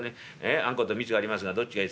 『あんこと蜜がありますがどっちがいいですか？』。